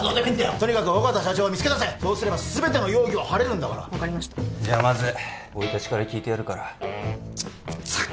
とにかく緒方社長を見つけ出せそうすれば全ての容疑は晴れる分かりましたじゃあまず生い立ちから聞いてやるからチッ！